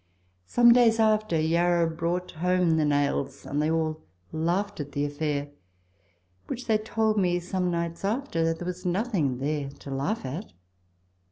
Some days after, Yarra brought home the nails, and they all laughed at the affair (which they told me some nights after), though there was nothing there to laugh at.